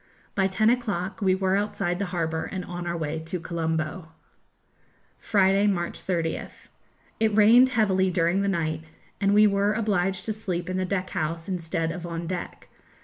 By ten o'clock we were outside the harbour and on our way to Colombo. Friday, March 30th. It rained heavily during the night, and we were obliged to sleep in the deck house instead of on deck.